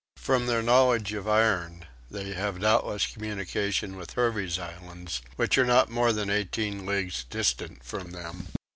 From their knowledge of iron they have doubtless communication with Hervey's Islands, which are not more than eighteen leagues distant from them.